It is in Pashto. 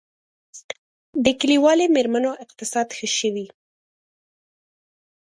د کلیوالي میرمنو اقتصاد ښه شوی؟